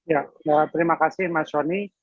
ya terima kasih mas soni